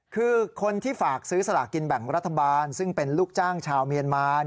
คือคนที่ฝากซื้อสลากินแบ่งรัฐบาลซึ่งเป็นลูกจ้างชาวเมียนมา